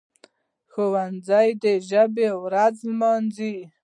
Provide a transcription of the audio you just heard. ښوونځي دي د ژبي ورځ ولمانځي.